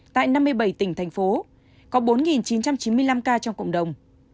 tại năm mươi bảy tỉnh thành phố có bốn chín trăm chín mươi năm ca trong cộng đồng